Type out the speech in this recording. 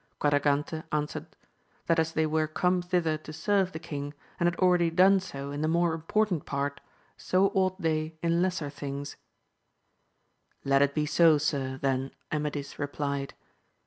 Quadragante answered^ AMADIS OP GAVL 237 that as they were come thither to serve the Myg, and had already done so in the more important part, so ought they in lesser things* Let it be so, sir, then Amadis repHed.